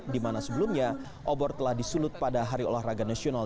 dimana sebelumnya obor telah disulut pada hari olahraga nasional